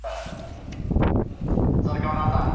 پوهانو د سياستپوهني په اړه څېړني وکړې.